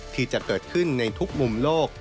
ที่จะเกิดขึ้นในทุกมุมโลก